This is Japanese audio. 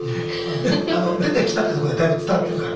出てきたってとこでだいぶ伝わってるから。